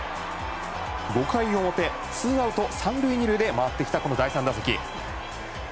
５回表ツーアウト３塁２塁で回ってきた、この第３打席。